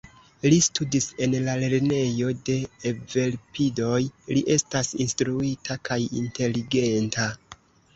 Li studis en la lernejo de «Evelpidoj», li estas instruita kaj inteligenta.